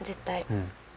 うん。